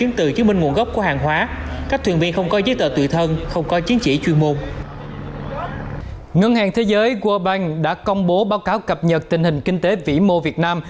ngân hàng thế giới world bank đã công bố báo cáo cập nhật tình hình kinh tế vĩ mô việt nam